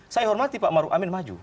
saya hormati pak maruf amin maju